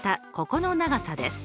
ここの長さです。